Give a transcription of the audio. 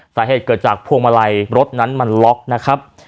สาเหตุเกิดจากพวงมาลัยรถนั้นมันล็อกนะครับ